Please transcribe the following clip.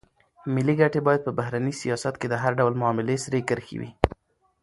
ملي ګټې باید په بهرني سیاست کې د هر ډول معاملې سرې کرښې وي.